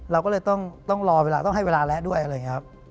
เราก็เลยต้องรอเวลาต้องให้เวลาและด้วย